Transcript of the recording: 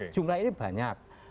jumlah ini banyak